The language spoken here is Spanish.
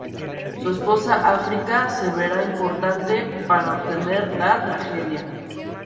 Su esposa África se vera impotente para detener la tragedia.